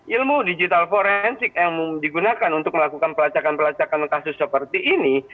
ilmu digital forensik yang digunakan untuk melakukan pelacakan pelacakan kasus seperti ini